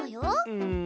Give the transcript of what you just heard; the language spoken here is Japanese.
うん。